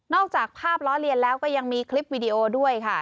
จากภาพล้อเลียนแล้วก็ยังมีคลิปวิดีโอด้วยค่ะ